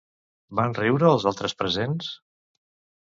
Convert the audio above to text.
Van riure els altres presents?